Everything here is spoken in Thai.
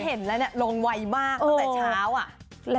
แล้วแฟนได้ลงไวมากตั้งแต่เช้า